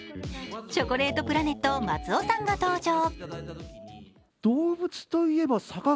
チョコレートプラネット・松尾さんが登場。